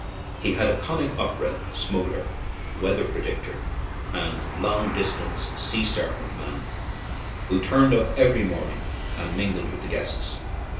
He had a comic opera, smuggler, weather predictor, and long distance sea serpent man who turned up every morning and mingled with the guests.